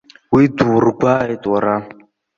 Уи дургәааит уара.